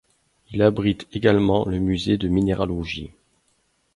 Il abrite également le musée de Minéralogie.